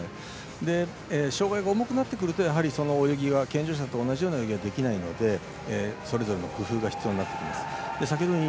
障がいが重くなってくると健常者と同じような泳ぎはできないのでそれぞれの工夫が必要になってきます。